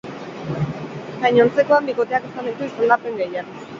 Gainontzekoan, bikoteak izan ditu izendapen gehien.